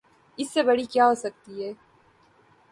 اس سے بڑی کیا ہو سکتی ہے؟